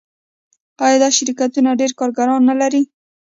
آیا دا شرکتونه ډیر کارګران نلري؟